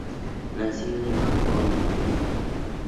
Nacido en Knoxville, Tennessee.